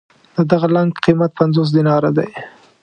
د دغه لنګ قېمت پنځوس دیناره دی.